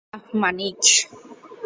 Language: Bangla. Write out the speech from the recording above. শাহ মানিক।